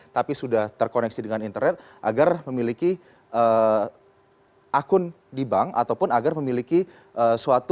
tapi sudah terkoneksi dengan internet agar memiliki akun di bank ataupun agar memiliki suatu